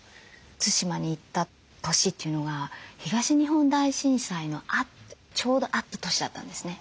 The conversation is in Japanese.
対馬に行った年というのが東日本大震災のちょうどあった年だったんですね。